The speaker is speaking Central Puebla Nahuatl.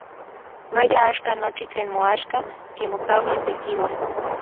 Maya axkan nochi tlen moaxka kimokauis Tekiua.